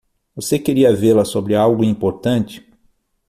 Você queria vê-la sobre algo importante?